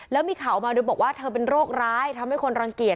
แล้วมีข่าวออกมาโดยบอกว่าเธอเป็นโรคร้ายทำให้คนรังเกียจ